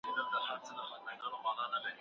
پښتون د ميړانې او اخلاص په لاره روان دی.